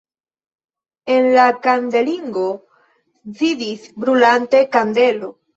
En la kandelingo sidis brulanta kandelo.